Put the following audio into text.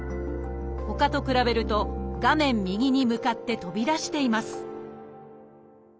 ほかと比べると画面右に向かって飛び出しています